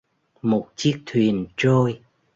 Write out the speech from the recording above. Một chiếc thyền trôi